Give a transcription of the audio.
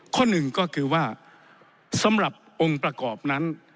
ข้อหนึ่งก็คือว่าสำหรับองค์ประกอบนั้น